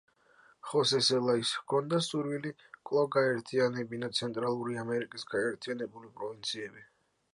ხოსე სელაიას ჰქონდა სურვილი კვლავ გაეერთიანებინა ცენტრალური ამერიკის გაერთიანებული პროვინციები.